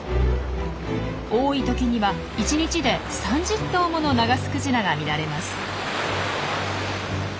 多い時には１日で３０頭ものナガスクジラが見られます。